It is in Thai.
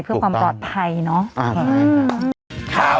เพื่อความปลอดภัยเนาะ